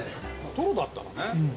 トロだったらね。